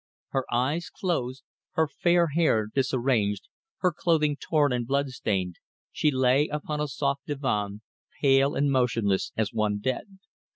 Her eyes closed, her fair hair disarranged, her clothing torn and blood stained, she lay upon a soft divan, pale and motionless as one dead.